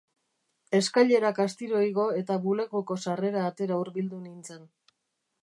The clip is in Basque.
Eskailerak astiro igo eta bulegoko sarrera-atera hurbildu nintzen.